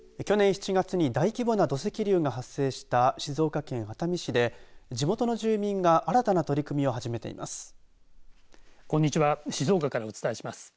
去年７月に大規模な土石流が発生した静岡県熱海市で地元の住民が新たな取り組みを始めています。